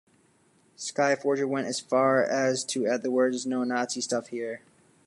Skyforger went as far as to add the words 'No Nazi Stuff Here!